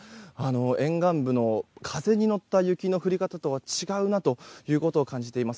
沿岸部の風に乗った雪の降り方とは違うなと感じています。